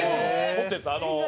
持ってるんですよ。